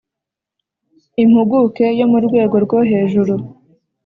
Impuguke yo mu rwego rwo hejuru